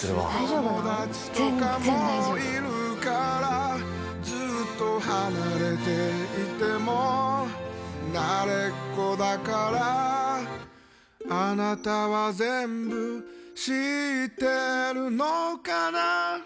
友達とかもいるからずっと離れていても慣れっこだからあなたは全部知ってるのかな